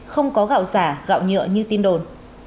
không có gạo giả gạo nhựa như tin đồn